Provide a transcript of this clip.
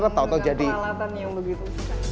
dengan peralatan yang begitu